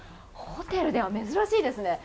ホテルでは珍しいですね。